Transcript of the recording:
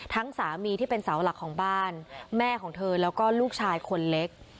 สามีที่เป็นเสาหลักของบ้านแม่ของเธอแล้วก็ลูกชายคนเล็ก